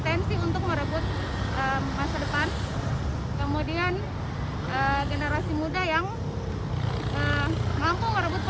semangat kita untuk bertumbuh menjadi generasi muda yang berpotensi untuk merebut masa depan